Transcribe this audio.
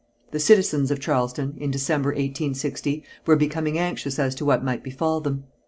The citizens of Charleston, in December, 1860, were becoming anxious as to what might befall them.